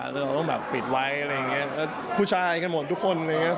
แล้วเราแบบปิดไว้อะไรอย่างเงี้ยผู้ชายกันหมดทุกคนอะไรอย่างเงี้ย